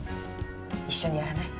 一緒にやらない？